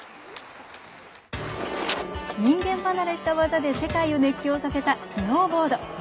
人間離れした技で世界を熱狂させたスノーボード。